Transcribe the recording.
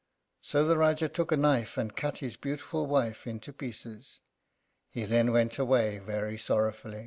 So the Rájá took a knife and cut his beautiful wife into pieces. He then went away very sorrowful.